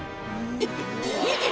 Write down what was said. えっ？